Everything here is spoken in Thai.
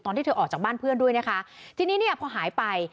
ที่เธอออกจากบ้านเพื่อนด้วยนะคะทีนี้เนี่ยพอหายไป